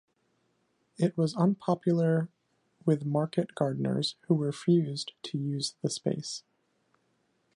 It was unpopular with market gardeners who refused to use the space.